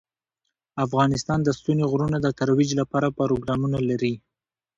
افغانستان د ستوني غرونه د ترویج لپاره پروګرامونه لري.